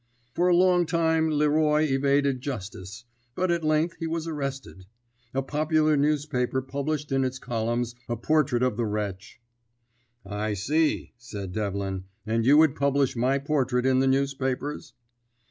"For a long time Leroy evaded justice, but at length he was arrested. A popular newspaper published in its columns a portrait of the wretch " "I see," said Devlin, "and you would publish my portrait in the newspapers?"